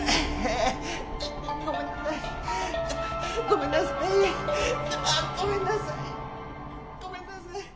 ごめんなさいああ。